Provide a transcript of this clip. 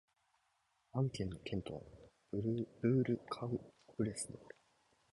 アン県の県都はブール＝カン＝ブレスである